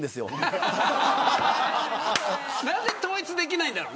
何で統一できないんだろう。